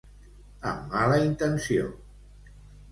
Amb mala intenció.